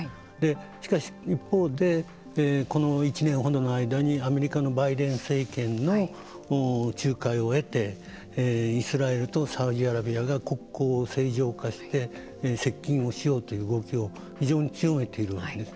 しかし一方でこの１年ほどの間にアメリカのバイデン政権の仲介を得てイスラエルとサウジアラビアが国交を正常化して接近をしようという動きを非常に強めているわけです。